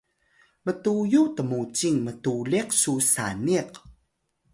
mtuyu tmucing mtuliq cu saniq